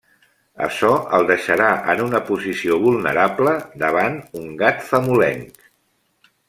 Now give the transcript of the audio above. Açò el deixarà en una posició vulnerable davant un gat famolenc.